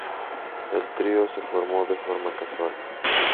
El trío se formó de manera casual.